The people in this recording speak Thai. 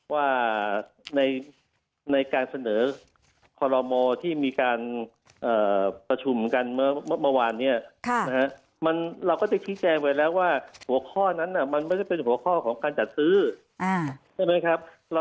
ว่าในการเสนอคอลโลมอที่มีการประชุมกันเมื่อวานนี้เราก็ได้ชี้แจงไปแล้วว่าหัวข้อนั้นมันไม่ได้เป็นหัวข้อของการจัดซื้อใช่ไหมครับ